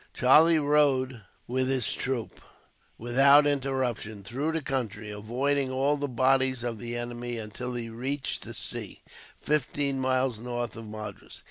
Charlie rode, with his troop, without interruption through the country, avoiding all bodies of the enemy until he reached the sea, fifteen miles north of Madras.